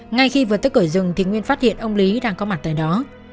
ngay khi vượt tới cửa rừng thì nguyên phát hiện ông lý đang có mặt tại đó